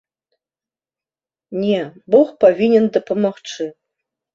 Не, бог павінен дапамагчы.